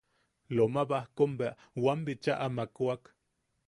Loma Bajkom bea wam bicha amakwak;.